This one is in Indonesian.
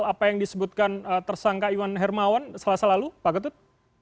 apa yang disebutkan tersangka iwan hermawan selasa lalu pak ketut